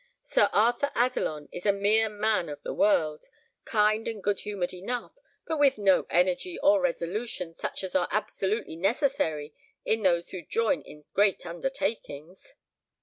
Sir Arthur Adelon is a mere man of the world; kind and good humoured enough, but with no energy or resolution such as are absolutely necessary in those who join in great undertakings."